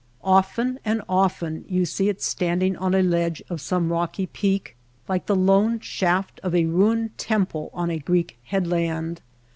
Often and often you see it standing on a ledge of some rocky peak, like the lone shaft of a ruined temple on a Greek headland.